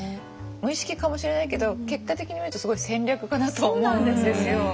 無意識かもしれないけど結果的に見るとすごい戦略家だと思うんですよ。